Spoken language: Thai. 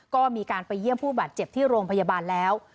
ก็มีการไปเยี่ยมผู้บาดเจ็บที่โรงพยาบาลแล้ว